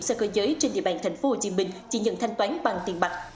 xa cơ giới trên địa bàn thành phố hồ chí minh chỉ nhận thanh toán bằng tiền bạc